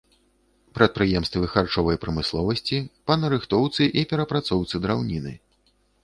Прадпрыемствы харчовай прамысловасці, па нарыхтоўцы і перапрацоўцы драўніны.